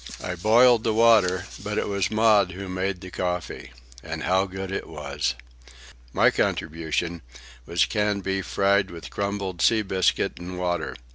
I boiled the water, but it was Maud who made the coffee. And how good it was! My contribution was canned beef fried with crumbled sea biscuit and water.